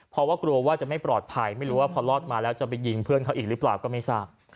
เพราะว่ากลัวว่าจะไม่ปลอดภัยไม่รู้ว่าพอรอดมาแล้วจะไปยิงเพื่อนเขาอีกหรือเปล่าก็ไม่ทราบ